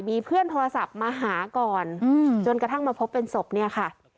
มีเพื่อนโทรศัพท์มาหาก่อนจนกระทั่งมาพบเป็นศพเนี่ยค่ะ